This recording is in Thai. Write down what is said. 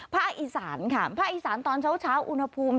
อีสานค่ะภาคอีสานตอนเช้าอุณหภูมิ